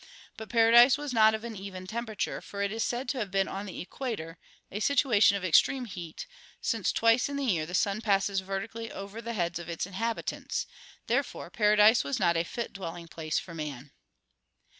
But paradise was not of an even temperature; for it is said to have been on the equator a situation of extreme heat, since twice in the year the sun passes vertically over the heads of its inhabitants. Therefore paradise was not a fit dwelling place for man.